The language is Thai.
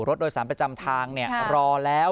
รถโดยสารประจำทางรอแล้ว